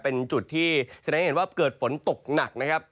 เป็นจุดที่แสดงให้เห็นว่าเกิดฝนตกหนักนะครับ